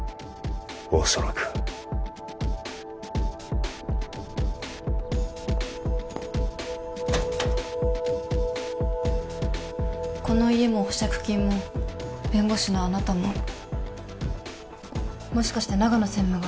おそらくこの家も保釈金も弁護士のあなたももしかして長野専務が？